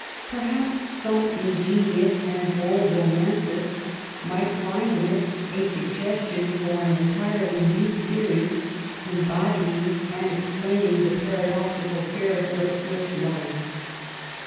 Perhaps some ingenious and bold romancist might find in it a s^iggestion for an entirely new theory embodying and 228 JONATHAN SWIFT explaining the paradoxical character of Swift's life.